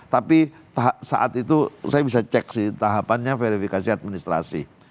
tapi saat itu saya bisa cek sih tahapannya verifikasi administrasi